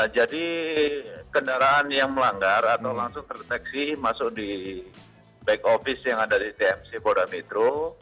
jadi kendaraan yang melanggar atau langsung terdeteksi masuk di back office yang ada di tmc polda metro